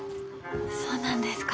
そうなんですか。